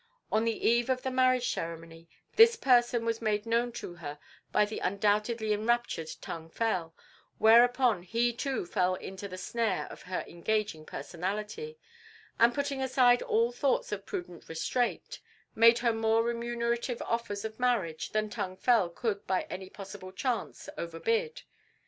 On the eve of the marriage ceremony this person was made known to her by the undoubtedly enraptured Tung Fel, whereupon he too fell into the snare of her engaging personality, and putting aside all thoughts of prudent restraint, made her more remunerative offers of marriage than Tung Fel could by any possible chance overbid.